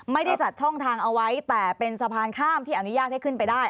ไม่ได้จัดช่องทางเอาไว้แต่เป็นสะพานข้ามที่อนุญาตให้ขึ้นไปได้